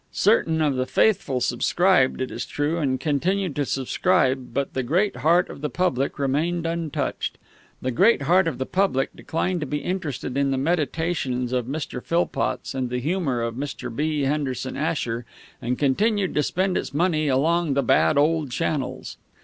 Certain of the faithful subscribed, it is true, and continued to subscribe, but the great heart of the public remained untouched. The great heart of the public declined to be interested in the meditations of Mr. Philpotts and the humor of Mr. B. Henderson Asher, and continued to spend its money along the bad old channels.